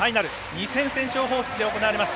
２戦先勝方式で行われます。